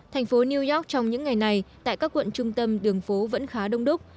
thành phố new york trong những ngày này tại các quận trung tâm đường phố vẫn khá đông đúc